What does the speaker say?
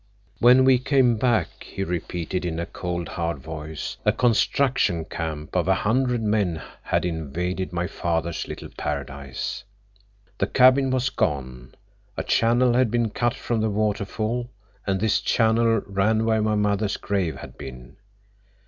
"When we came back," he repeated in a cold, hard voice, "a construction camp of a hundred men had invaded my father's little paradise. The cabin was gone; a channel had been cut from the waterfall, and this channel ran where my mother's grave had been.